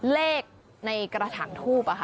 เลขในกระถางทูบ